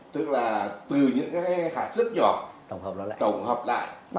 tức là từ những hạt rất nhỏ tổng hợp lại